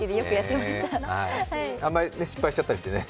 あんまり失敗しちゃったりしてね。